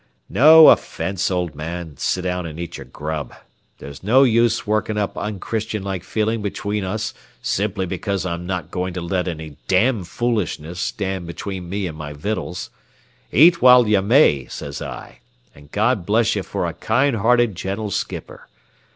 "No offence, old man, sit down and eat your grub. There's no use working up unchristian like feeling between us simply because I'm not going to let any damn foolishness stand between me and my vittles. Eat while ye may, says I, and God bless you for a kind hearted, gentle skipper.